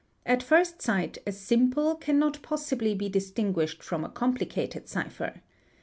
At first sight a simple cannot possibly be distinguished from a complicated cipher.